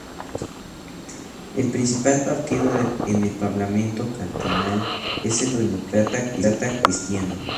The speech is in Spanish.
El principal partido en el parlamento cantonal es el Partido Demócrata Cristiano.